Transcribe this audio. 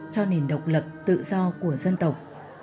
cho nền độc lập tự do của dân tộc